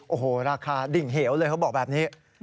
โอ้โหราคาดิ่งเหวเลยเขาบอกแบบนี้